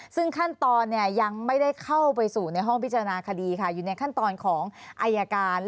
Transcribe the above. ซึ่งขั้นตอนยังไม่ได้เข้าไปสู่ในห้องพิจารณาคดีค่ะอยู่ในขั้นตอนของอายการ